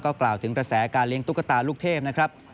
กล่าวถึงกระแสการเลี้ยงตุ๊กตาลูกเทพนะครับ